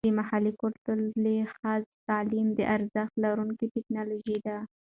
د محلي کلتور له لحاظه تعلیم د ارزښت لرونکې ټیکنالوژي ده.